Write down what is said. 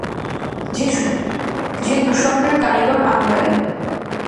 যে দুঃস্বপ্নের কারিগর আমরাই।